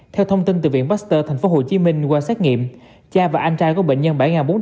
theo thông tin từ viện baxter tp hcm qua xét nghiệm cha và anh trai có bệnh nhân bảy bốn trăm bốn mươi năm